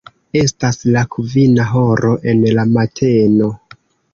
Estas la kvina horo en la mateno.